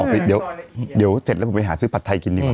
เดี๋ยวเสร็จแล้วผมไปหาซื้อผัดไทยกินดีกว่า